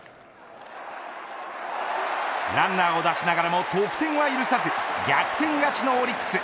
ランナーを出しながらも得点は許さず逆転勝ちのオリックス。